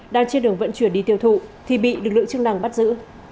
đang trên đường vận chuyển đi tiêu thụ thì bị lực lượng chức năng bắt giữ